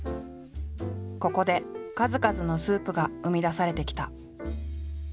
ここで数々のスープが生み出されてきた。